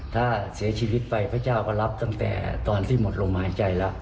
ถ้าเสียชีวิตไปพระเจ้าก็รับตั้งแต่ตอนที่หมดลมหายใจแล้ว